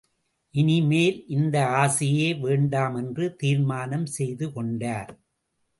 இனிமேல் இந்த ஆசையே வேண்டாம் என்று தீர்மானம் செய்து கொண்டார்.